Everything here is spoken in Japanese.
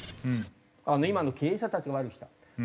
今の経営者たちが悪くした。